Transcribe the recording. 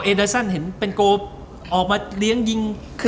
เอเดอร์ซันเห็นเป็นโกบออกมาเลี้ยงยิง